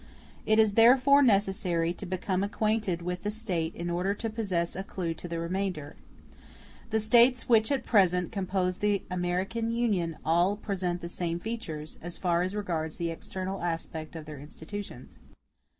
It is therefore necessary to become acquainted with the State in order to possess a clue to the remainder. The States which at present compose the American Union all present the same features, as far as regards the external aspect of their institutions.